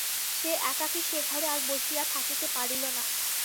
সে একাকী সে-ঘরে আর বসিয়া থাকিতে পারিল না।